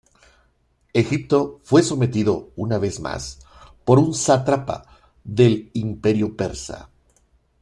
Egipto fue sometido una vez más por un sátrapa del Imperio persa.